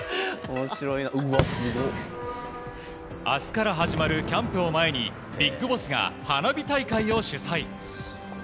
明日から始まるキャンプを前にビッグボスが花火大会を主催。